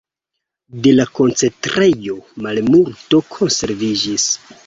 De la koncentrejo malmulto konserviĝis.